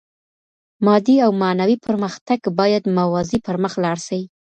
مادي او معنوي پرمختګ بايد موازي پرمخ لاړ سي.